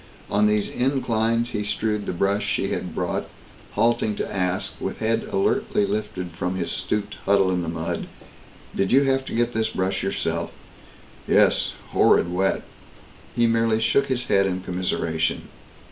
On these inclines he strewed the brush she had brought, halting to ask, with head alertly lifted from his stooped huddle in the mud, "Did you have to get this brush yourself?" "Yes. Horrid wet!" He merely shook his head in commiseration.